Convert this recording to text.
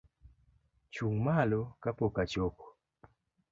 Chung' malo ka pok achopo